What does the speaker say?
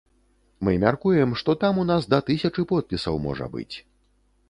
Мы мяркуем, што там у нас да тысячы подпісаў можа быць.